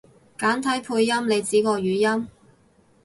簡體配音？你指個語音？